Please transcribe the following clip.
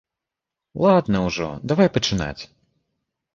Ладна ўжо, давай пачынаць.